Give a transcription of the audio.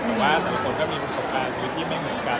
แต่ว่าแต่ละคนก็มีประสบการณ์ชีวิตที่ไม่เหมือนกัน